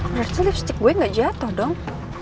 berarti lipstick gue gak jatuh dong